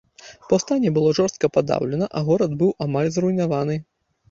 Паўстанне было жорстка падаўлена, а горад быў амаль зруйнаваны.